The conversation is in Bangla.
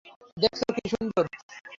দেখেছ, কী সুন্দর!